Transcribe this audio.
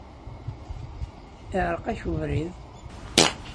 Iεreq-ak ubrid?